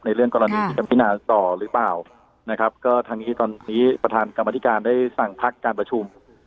เรื่องกรณีที่จะพินาต่อหรือเปล่านะครับก็ทางนี้ตอนนี้ประธานกรรมธิการได้สั่งพักการประชุม